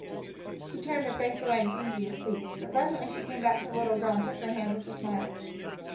She turned her face away and seemed to be asleep. But presently she came back to the little girl and took her hand with a smile.